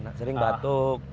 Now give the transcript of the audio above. ya sering batuk